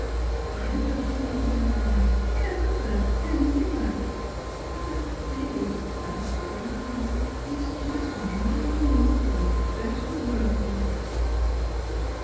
I don't know when I ever heard anything like it ! That dear pastor of ours is just ripening for a better world